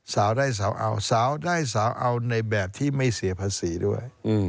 สาวได้สาวเอาสาวได้สาวเอาในแบบที่ไม่เสียภาษีด้วย